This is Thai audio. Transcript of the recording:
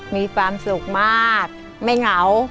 มีความสุขมากไม่เหงา